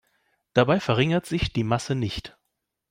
Dabei verringert sich die Masse nicht.